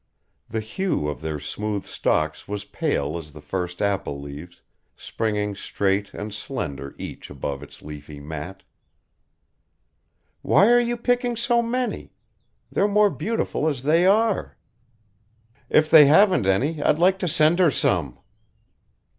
The hue of their smooth stalks was pale as the first apple leaves, springing straight and slender each above its leafy mat. "Why are you picking so many? They're more beautiful as they are." "If they haven't any I'd like to send her some?"